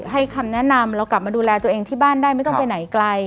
ให้คำแนะนำเรากลับมาดูแลตัวเองที่บ้านได้ไม่ต้องไปไหนไกล